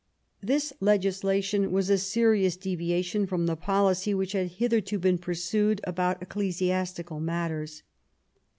This legislation was a serious deviation from the policy which had hitherto been pursued about ecclesi astical matters.